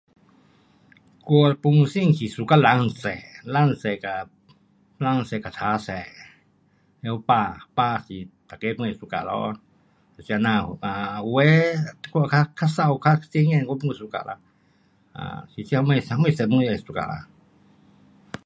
我本身是 suka 蓝色，蓝色跟，蓝色跟青色，了白，白是每个 pun 会 suka 咯，就是这样，um 有的我较美较鲜艳，我 pun suka. 其实是什么色 pun 会 suka 啦